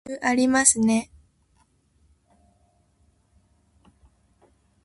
余裕ありますね